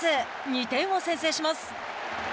２点を先制します。